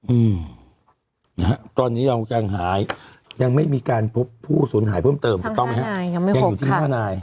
อืมตอนนี้ยังหายยังไม่มีการพบผู้สุนหายเพิ่มเติมต้องอย่างอยู่ที่ภาพนาย